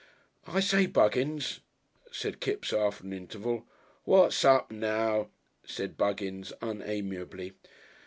"I say Buggins," said Kipps after an interval. "What's up now?" said Buggins unamiably.